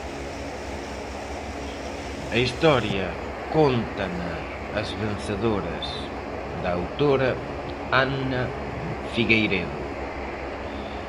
A historia cóntana as vencedoras, da autora Anna Figueiredo.